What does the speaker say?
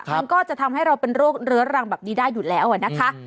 มันก็จะทำให้เราเป็นโรคเรื้อรังแบบนี้ได้อยู่แล้วนะคะ